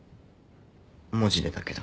文字でだけど。